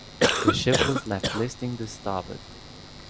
The ship was left listing to starboard.